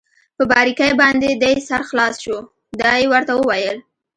په باریکۍ باندې دې سر خلاص شو؟ دا يې ورته وویل.